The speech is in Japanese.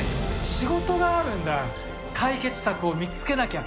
仕事があるんだ解決策を見つけなきゃ。